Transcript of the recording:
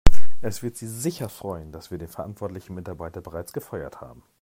Es wird Sie sicher freuen, dass wir den verantwortlichen Mitarbeiter bereits gefeuert haben.